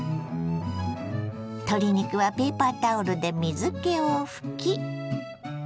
鶏肉はペーパータオルで水けを拭き。